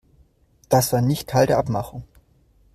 Das war nicht Teil der Abmachung!